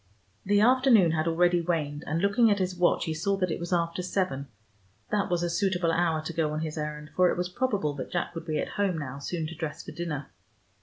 The afternoon had already waned, and looking at his watch he saw that it was after seven. That was a suitable hour to go on his errand, for it was probable that Jack would be at home now, soon to dress for dinner.